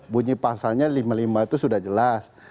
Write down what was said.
bunyi pasalnya lima puluh lima itu sudah jelas